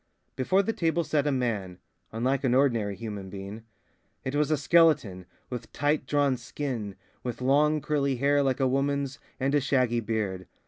Before the table sat a man, unlike an ordinary human being. It was a skeleton, with tight drawn skin, with long curly hair like a woman's, and a shaggy beard.